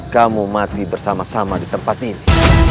kamu mati bersama sama di tempat ini